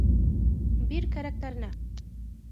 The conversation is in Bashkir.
Бир кәрәктәренә!